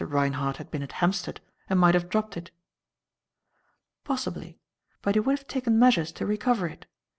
Reinhardt had been at Hampstead and might have dropped it." "Possibly. But he would have taken measures to recover it.